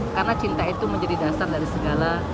karena cinta itu menjadi dasar dari segala